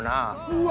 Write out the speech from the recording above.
うわ！